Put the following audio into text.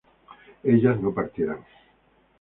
ellas no partieran